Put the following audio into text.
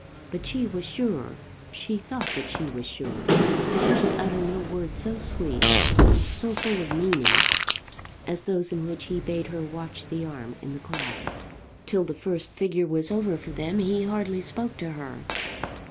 But she was sure she thought that she was sure, that he would utter no words so sweet, so full of meaning, as those in which he bade her watch the arm in the clouds. Till the first figure was over for them he hardly spoke to her.